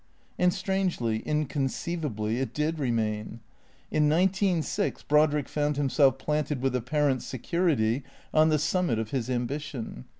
And strangely, inconceivably, it did remain. In nineteen six Brodrick found himself planted with apparent security on the summit of his ambition.